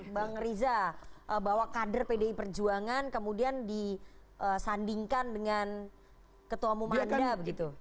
bang riza bahwa kader pdi perjuangan kemudian disandingkan dengan ketua umum anda begitu